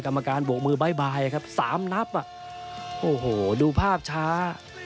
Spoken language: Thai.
กรรมการบวกมือบ๊ายครับสามนับอ่ะโอ้โหดูภาพช้า